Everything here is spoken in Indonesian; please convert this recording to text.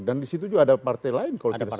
dan disitu juga ada partai lain